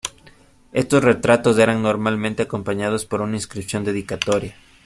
Estos retratos eran normalmente acompañados por una inscripción dedicatoria.